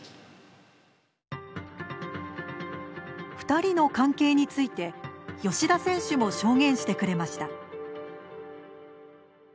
２人の関係について吉田選手も証言してくれました。